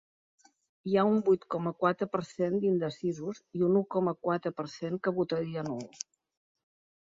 Hi ha un vuit coma quatre per cent d’indecisos i un u coma quatre per cent que votaria nul.